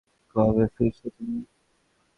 কবে ফিরছো তুমি?